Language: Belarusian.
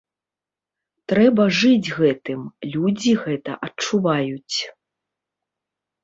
Трэба жыць гэтым, людзі гэта адчуваюць.